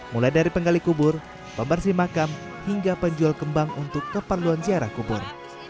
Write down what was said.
mulai dari penggali kubur pembersih makam hingga penjual kembang untuk keperluan ziarah kubur